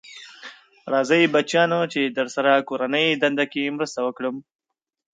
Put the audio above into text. راځی بچیانو چې درسره کورنۍ دنده کې مرسته وکړم.